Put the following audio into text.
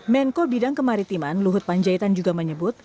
menko bidang kemaritiman luhut panjaitan juga menyebut